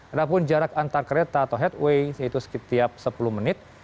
ada pun jarak antar kereta atau headway yaitu setiap sepuluh menit